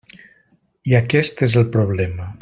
I aquest és el problema.